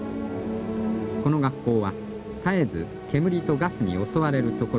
この学校は絶えず煙とガスに襲われるところです。